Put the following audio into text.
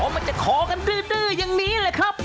มันจะคอกันดื้ออย่างนี้แหละครับ